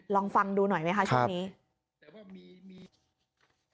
ลองฟังดูหน่อยไหมคะช่วงนี้